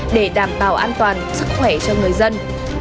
để đảm bảo an toàn sức khỏe cho người dân